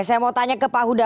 saya mau tanya ke pak huda